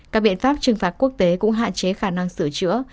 các biện pháp trừng phạt quốc tế cũng hạn chế khả năng sửa chữa